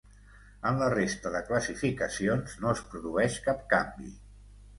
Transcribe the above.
En la resta de classificacions no es produeix cap canvi.